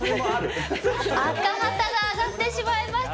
赤旗が上がってしまいました。